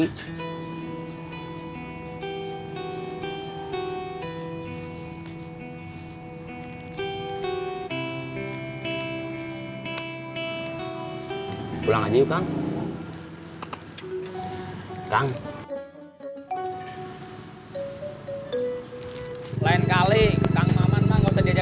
apa saya teh harus ikhlasin engkau menangkat luar negara